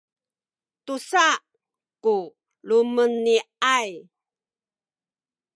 tusa ku lumeni’ay